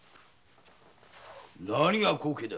何が高家だ。